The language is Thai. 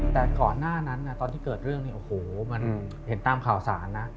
แต่ก่อนหน้านั้นตอนที่เกิดเรื่องเนี่ยโอ้โหมันเห็นตามข่าวสารนะ